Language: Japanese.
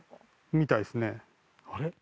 みたいですねあれ？